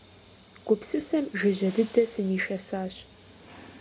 Гупсысэм жыжьэ дыдэ сынишэсащ.